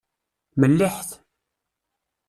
Melliḥet.